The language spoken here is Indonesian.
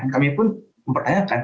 kami pun mempertanyakan